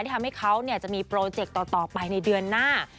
ทำให้เขาจะมีโปรเจกต์ต่อไปในเดือนหน้า